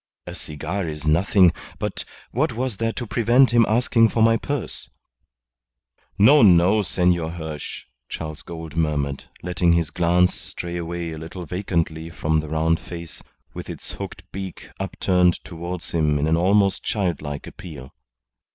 A cigar is nothing, but what was there to prevent him asking me for my purse?" "No, no, Senor Hirsch," Charles Gould murmured, letting his glance stray away a little vacantly from the round face, with its hooked beak upturned towards him in an almost childlike appeal.